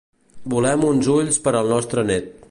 Volem uns ulls per al nostre net.